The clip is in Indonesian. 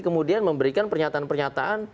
kemudian memberikan pernyataan pernyataan